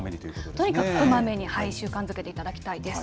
とにかくこまめに、習慣づけていただきたいです。